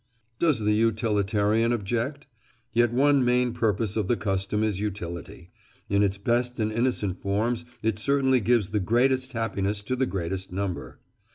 Does the utilitarian object? Yet one main purpose of the custom is utility; in its best and innocent forms it certainly gives the greatest happiness to the greatest number."